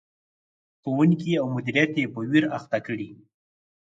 ښوونکي او مدیریت یې په ویر اخته کړي.